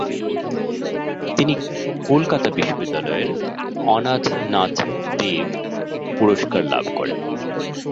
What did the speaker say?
তিনি কলকাতা বিশ্ববিদ্যালয়ের 'অনাথনাথ দেব পুরস্কার' লাভ করেন।